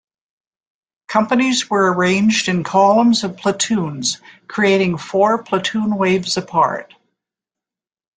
Companies were arranged in columns of platoons, creating four platoon waves apart.